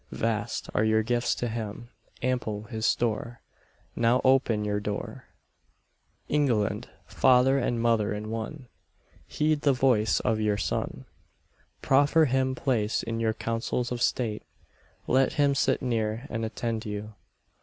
Vast are your gifts to him, ample his store, Now open your door. England, father and mother in one, Heed the voice of your son. Proffer him place in your councils of state: Let him sit near, and attend you.